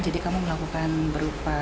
jadi kami melakukan berukuran